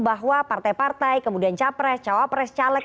bahwa partai partai kemudian capres cawapres caleg